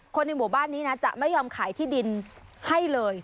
ในหมู่บ้านนี้นะจะไม่ยอมขายที่ดินให้เลย